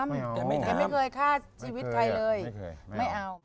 แกไม่เคยฆ่าชีวิตใครเลย